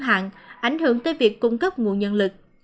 hạn ảnh hưởng tới việc cung cấp nguồn nhân lực